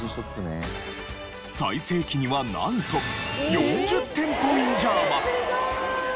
最盛期にはなんと４０店舗以上も。